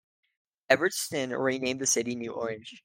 Evertsen renamed the city New Orange.